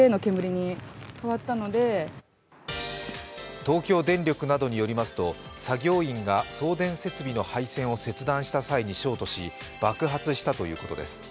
東京電力などによりますと作業員が送電設備の配線を切断した際にショートし、爆発したということです。